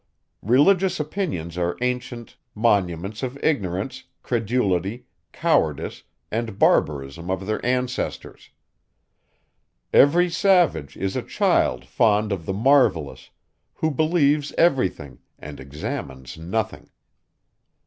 Religious opinions are ancient monuments of ignorance, credulity, cowardice, and barbarism of their ancestors. Every savage is a child fond of the marvellous, who believes every thing, and examines nothing.